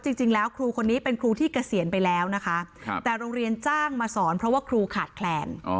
จริงแล้วครูคนนี้เป็นครูที่เกษียณไปแล้วนะคะแต่โรงเรียนจ้างมาสอนเพราะว่าครูขาดแคลน